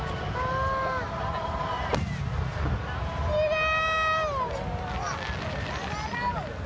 ・きれい！